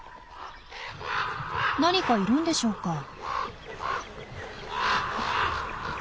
何かいるんでしょうか。